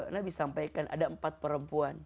nabi sampaikan ada empat perempuan